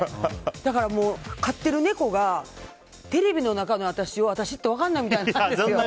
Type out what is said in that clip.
だから、飼ってる猫がテレビの中の私を私って分からないみたいなんです。